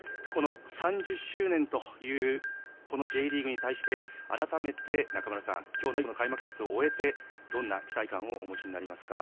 ３０周年というＪリーグに対して改めて中村さん今日この開幕節を終えてどんな期待感をお持ちになりますか。